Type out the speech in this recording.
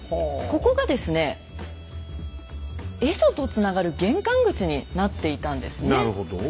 ここがですね蝦夷とつながる玄関口になっていたんですね。